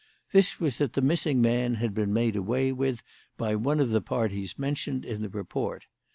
This was that the missing man had been made away with by one of the parties mentioned in the report.